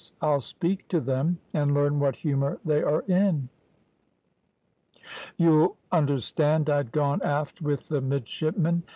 I'll speak to them, and learn what humour they are in.' "You'll understand I'd gone aft with the midshipmen.